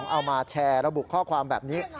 เอามาแชร์ระบุข้อความแบบนี้